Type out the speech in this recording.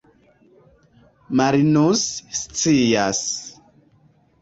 Marinus scias.